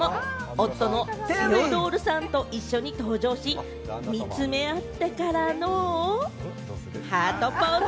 夫のセオドールさんと一緒に登場し、見つめ合ってからの、ハートポーズ。